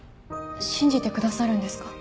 信じてくださるんですか？